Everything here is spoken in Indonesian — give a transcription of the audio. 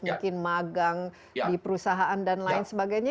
mungkin magang di perusahaan dan lain sebagainya